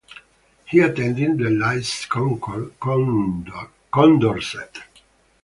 He attended the Lycee Condorcet.